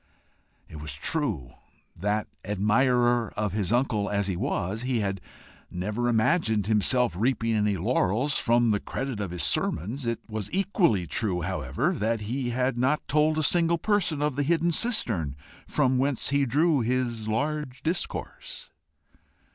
It was true that, admirer of his uncle as he was, he had never imagined himself reaping any laurels from the credit of his sermons; it was equally true however that he had not told a single person of the hidden cistern whence he drew his large discourse.